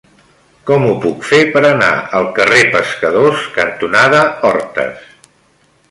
Com ho puc fer per anar al carrer Pescadors cantonada Hortes?